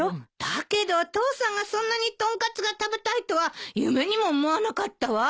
だけど父さんがそんなに豚カツが食べたいとは夢にも思わなかったわ。